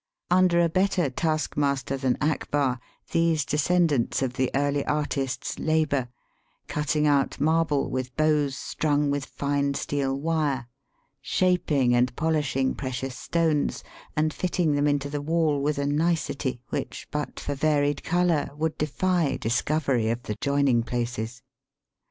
Under a better taskmaster than Akbar these de scendants of the early artists labour, cutting out marble with bows strung with fine steel wire, shaping and poUshing precious stones, and fitting them into the wall with a nicety which but for varied colour would defy dis covery of the joining places.